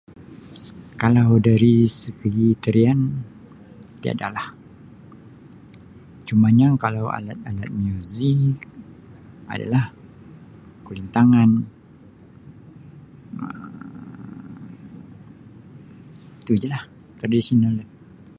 Kalau dari segi tarian tiada lah, cumanya kalau alat-alat muzik ada lah kulintangan, Um tu jelah tradisional dia.